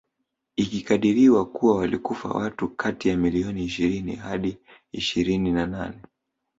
Ikikadiriwa kuwa walikufa watu kati ya milioni ishirini hadi ishirini na nane